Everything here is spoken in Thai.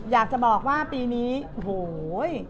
อยากจะบอกว่าปีนี้โอ้โห